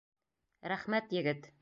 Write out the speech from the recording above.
— Рәхмәт, егет.